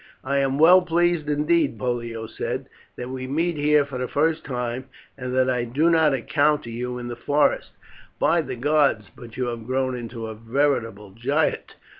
"I am well pleased indeed," Pollio said, "that we meet here for the first time, and that I did not encounter you in the forests. By the gods, but you have grown into a veritable giant.